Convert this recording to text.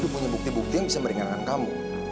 aku ini punya bukti bukti yang bisa meringankan kamu